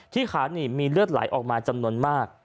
ขาหนีบมีเลือดไหลออกมาจำนวนมาก